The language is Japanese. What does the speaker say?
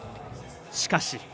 しかし。